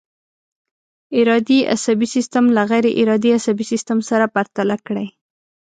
ارادي عصبي سیستم له غیر ارادي عصبي سیستم سره پرتله کړئ.